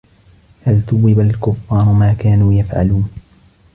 هل ثوب الكفار ما كانوا يفعلون